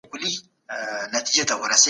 د ټونس ځوان د ظلم قرباني سو.